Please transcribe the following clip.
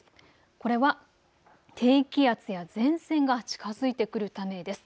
これは低気圧や前線が近づいてくるためです。